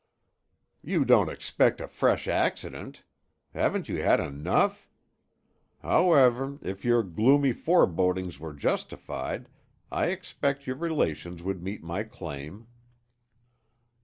"You don't expect a fresh accident! Haven't you had enough? However, if your gloomy forebodings were justified, I expect your relations would meet my claim."